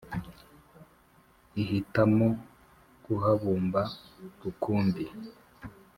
Ihitamo kuhabumba rukumbi,